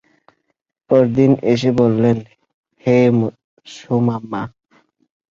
পরদিন এসে বললেন, হে সুমামা!